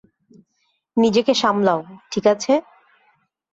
নিজেকে সামলাও, ঠিক আছে?